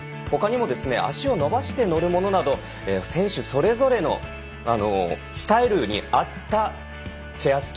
ほかにも足を伸ばして乗るものなど選手それぞれのスタイルにあったチェア